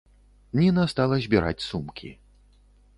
Ніна стала збіраць сумкі.